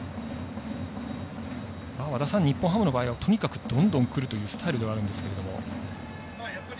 和田さん、日本ハムの場合はとにかくどんどんくるというスタイルではあるんですが。